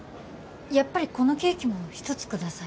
やっぱりこのケーキも一つください